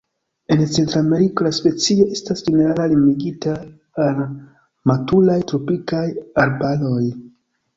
En Centrameriko, la specio estas ĝenerale limigita al maturaj tropikaj arbaroj.